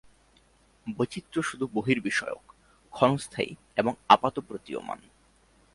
বৈচিত্র্য শুধু বহির্বিষয়ক, ক্ষণস্থায়ী এবং আপাতপ্রতীয়মান।